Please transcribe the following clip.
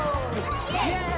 「イェーイ！」